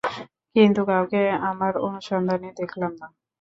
কিন্তু কাউকে আমার অনুসন্ধানী দেখলাম না।